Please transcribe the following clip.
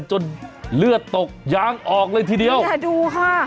เลือดตกยางออกเลยทีเดียวอย่าดูค่ะ